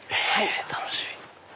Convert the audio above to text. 楽しみ！